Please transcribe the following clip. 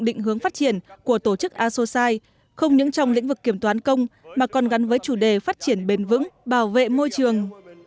định hướng phát triển của tổ chức asosai không những trong lĩnh vực kiểm toán công mà còn gắn với chủ đề phát triển bền vững bảo vệ môi trường